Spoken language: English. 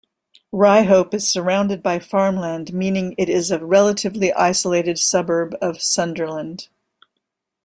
Ryhope is surrounded by farmland meaning it is a relatively isolated suburb of Sunderland.